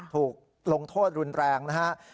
ถูกลงโทษรุนแรงนะครับ